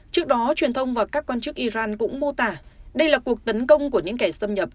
trước đó truyền thông và các quan chức iran cũng mô tả đây là cuộc tấn công của những kẻ xâm nhập